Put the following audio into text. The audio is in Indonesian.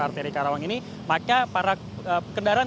di kawasan arteri karawang ini maka para kendaraan